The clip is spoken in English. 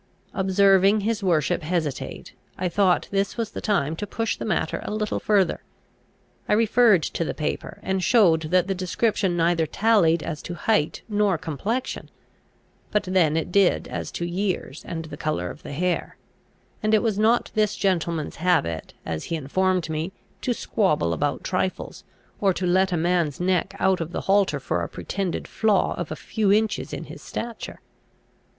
Observing his worship hesitate, I thought this was the time to push the matter a little further. I referred to the paper, and showed that the description neither tallied as to height nor complexion. But then it did as to years and the colour of the hair; and it was not this gentleman's habit, as he informed me, to squabble about trifles, or to let a man's neck out of the halter for a pretended flaw of a few inches in his stature.